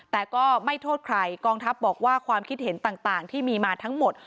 แต่ก็ไม่โทษใครกองทัพบอกว่าความคิดเห็นต่างที่มีมาทั้งหมด